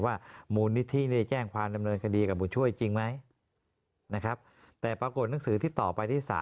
ว่ามูลนิธิแจ้งความดำเนินคดีกับบุญช่วยจริงไหมนะครับแต่ปรากฏหนังสือที่ต่อไปที่๓